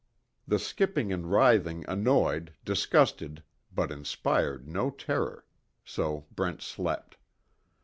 The skipping and writhing annoyed, disgusted, but inspired no terror, so Brent slept.